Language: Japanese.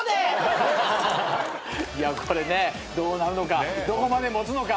いやこれねどうなるのかどこまで持つのか？